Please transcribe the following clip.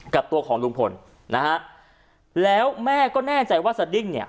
กับตัวของลุงพลนะฮะแล้วแม่ก็แน่ใจว่าสดิ้งเนี่ย